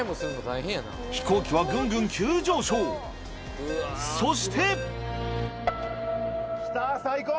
飛行機はぐんぐん急上昇そしてきたさぁいこう。